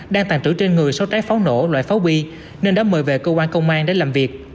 đang tàn trữ trên người số trái pháo nổ loại pháo bi nên đã mời về cơ quan công an để làm việc